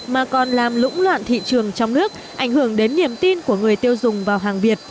mà còn làm lũng loạn thị trường trong nước ảnh hưởng đến niềm tin của người tiêu dùng vào hàng việt